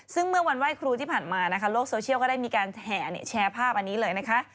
ซึ่งเมื่อวันไหว้ครูที่ผ่านมานะคะโลกโซเชียลก็ได้มีการแห่แชร์ภาพอันนี้เลยนะคะ